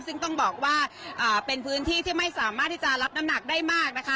ซึ่งต้องบอกว่าเป็นพื้นที่ที่ไม่สามารถที่จะรับน้ำหนักได้มากนะคะ